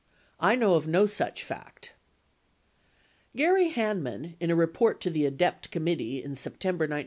I know of no such fact. ... 31 Gary Hanman, in a report to the ADEPT committee in September 1971.